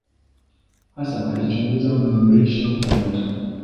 Hasa alichunguza mnururisho wa nyota.